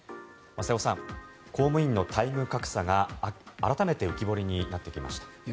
瀬尾さん、公務員の待遇格差が改めて浮き彫りになってきました。